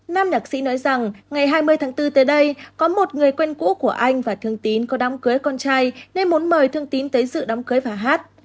nam nhạc sĩ nói rằng ngày hai mươi tháng bốn tới đây có một người quen cũ của anh và thương tín có đám cưới con trai nên muốn mời thương tín tới dự đám cưới và hát